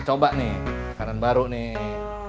coba nih kanan baru nih